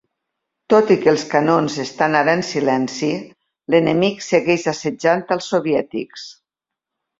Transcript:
Tot i que els canons estan ara en silenci, l'enemic segueix assetjant als soviètics.